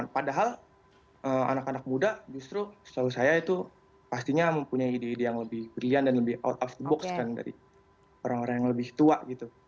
padahal anak anak muda justru setahu saya itu pastinya mempunyai ide ide yang lebih briliant dan lebih out of the box kan dari orang orang yang lebih tua gitu